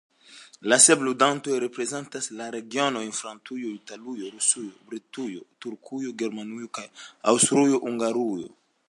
La sep ludantoj reprezentas la regnojn Francujo, Italujo, Rusujo, Britujo, Turkujo, Germanujo kaj Aŭstrujo-Hungarujo.